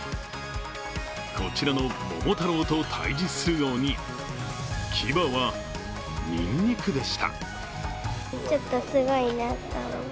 こちらの桃太郎と対じする鬼、牙はにんにくでした。